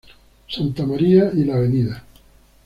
Santa María y la Av.